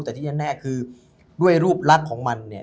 แต่ที่แน่คือด้วยรูปลักษณ์ของมันเนี่ย